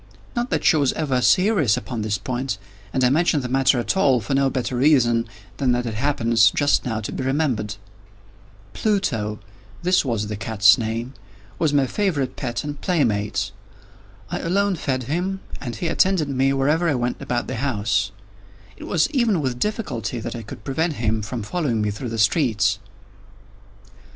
Not that she was ever serious upon this point—and I mention the matter at all for no better reason than that it happens, just now, to be remembered. Pluto—this was the cat's name—was my favorite pet and playmate. I alone fed him, and he attended me wherever I went about the house. It was even with difficulty that I could prevent him from following me through the streets.